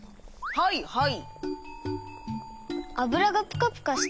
はいはい。